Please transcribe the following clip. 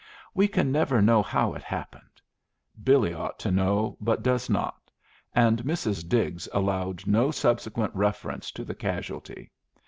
We can never know how it happened. Billy ought to know, but does not, and Mrs. Diggs allowed no subsequent reference to the casualty.